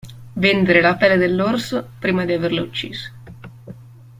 Vendere la pelle dell'orso prima di averlo ucciso.